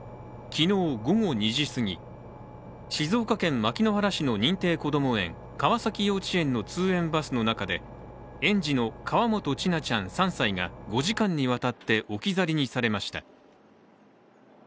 昨日午後２時すぎ、静岡県牧之原市の認定こども園、川崎幼稚園の通園バスの中で園児の河本千奈ちゃん３歳が５時間にわたって置き去りにされました。